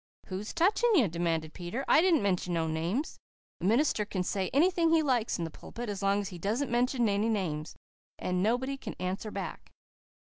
"Who's touching you?" demanded Peter. "I didn't mention no names. A minister can say anything he likes in the pulpit, as long as he doesn't mention any names, and nobody can answer back."